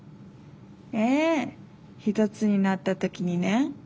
ええひとつになったときにね。